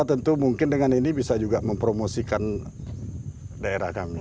tentu mungkin dengan ini bisa juga mempromosikan daerah kami